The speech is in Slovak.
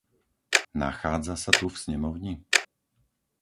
Nachádza sa tu v snemovni?